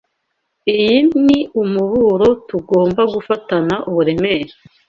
Iyi ni umuburo tugomba gufatana uburemere.